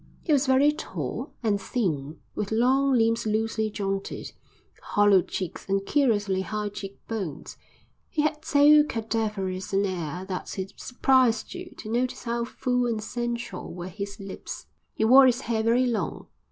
He was very tall and thin, with long limbs loosely jointed; hollow cheeks and curiously high cheek bones; he had so cadaverous an air that it surprised you to notice how full and sensual were his lips. He wore his hair very long.